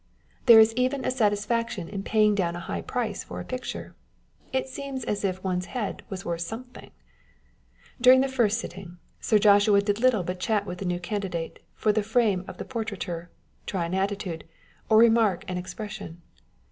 There is even a satisfaction in paying down a high, price for a picture â€" it seems as if one's head was worth something ! â€" During the first sitting, Sir Joshua did little but chat with the new candidate for the fame of portraiture, try an attitude, or remark an ex pression.